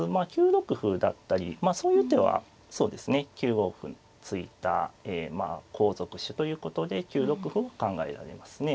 ９六歩だったりそういう手はそうですね９五歩突いたまあ後続手ということで９六歩も考えられますね。